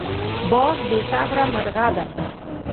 باز بې صبره مرغه دی